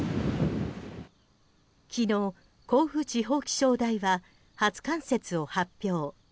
昨日、甲府地方気象台が初冠雪を発表。